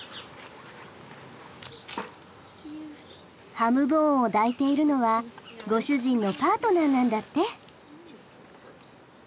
ハムボーンを抱いているのはご主人のパートナーなんだって。